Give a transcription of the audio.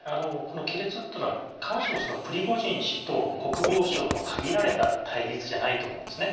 亀裂というのは必ずしも、プリゴジン氏が国防省の限られた対立ではないと思うんですね。